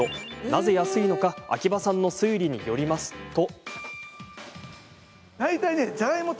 なぜ安いのか秋葉さんの推理によると。